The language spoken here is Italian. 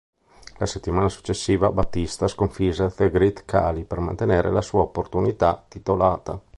La settimana successiva, Batista sconfisse The Great Khali per mantenere la sua opportunità titolata.